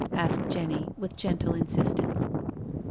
asked Jenny, with gentle insistence.